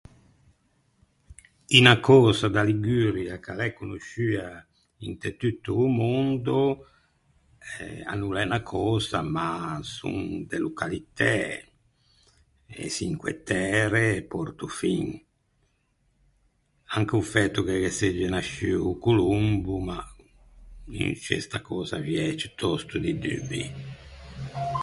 Unna cösa da Liguria ch’a l’é conosciua inte tutto o mondo eh a no l’é unna cösa, ma son de localitæ: e Çinque Tære e Portofin. Anche o fæto che ghe segge nasciuo o Colombo, ma mi in sce sta cösa aviæ ciutòsto di dubbi.